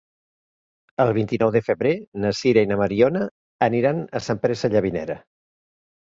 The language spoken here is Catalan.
El vint-i-nou de febrer na Sira i na Mariona aniran a Sant Pere Sallavinera.